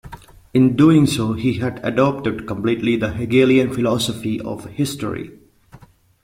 In doing so, he had adopted completely the Hegelian philosophy of history.